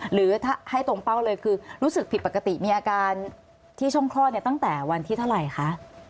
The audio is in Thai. หรือถ้าให้ตรงเป้าเลยคือรู้สึกผิดปกติมีอาการที่ช่องคลอดเนี่ยตั้งแต่วันที่เท่าไหร่คะ